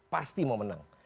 pasti mau menang